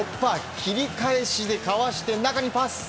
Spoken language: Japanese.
切り返しでかわして、中にパス。